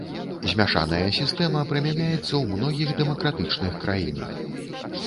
Змяшаная сістэма прымяняецца ў многіх дэмакратычных краінах.